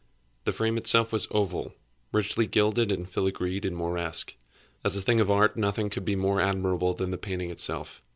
The frame was oval, richly gilded and filigreed in Moresque. As a thing of art nothing could be more admirable than the painting itself.